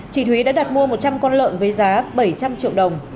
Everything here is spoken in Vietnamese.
chị thúy đã đặt mua một trăm linh con lợn với giá bảy trăm linh triệu đồng